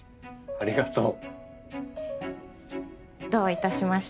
ありがとう！